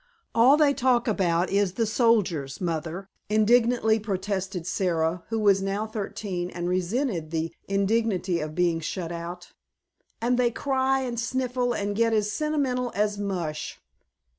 "All they talk about is the soldiers, Mother," indignantly protested Sara, who was now thirteen and resented the indignity of being shut out; "and they cry and snivel and get as sentimental as mush."